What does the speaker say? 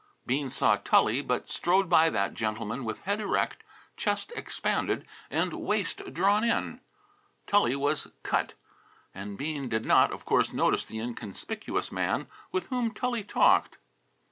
Bean saw Tully, but strode by that gentleman with head erect, chest expanded, and waist drawn in. Tully was cut. And Bean did not, of course, notice the inconspicuous man with whom Tully talked.